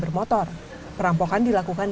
penyelamat mencuri sepeda motor di sebuah masjid al ansor